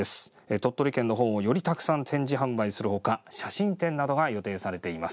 鳥取県の本をよりたくさん展示販売するほか写真展などが予定されています。